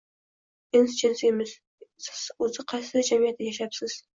Ins-jins emish! Siz o‘zi qaysi jamiyatda yashayapsiz?